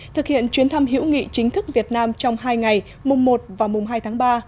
thực hiện chuyến thăm hữu nghị chính thức việt nam trong hai ngày mùng một và mùng hai tháng ba